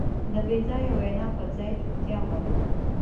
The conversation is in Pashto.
د بېځایه وینا پر ځای چوپتیا غوره ده.